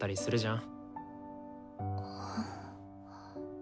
ん。